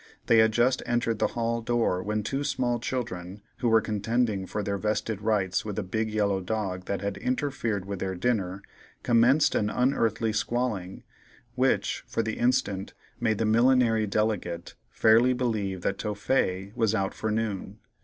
They had just entered the hall door when two small children, who were contending for their vested rights with a big yellow dog that had interfered with their dinner, commenced an unearthly squalling, which, for the instant, made the millinery delegate fairly believe that Tophet was out for noon.